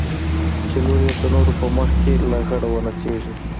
چې لور يې د نورو په مخ کښې لغړه ونڅېږي.